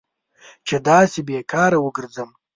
چې داسې بې کاره وګرځم.